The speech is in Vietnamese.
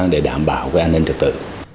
để đảm bảo an ninh trực tự